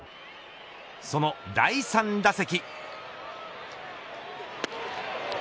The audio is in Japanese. その第３打席。